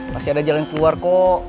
masih ada jalan keluar kok